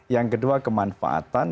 yang kedua kemanfaatan